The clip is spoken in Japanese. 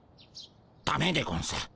ダメでゴンス。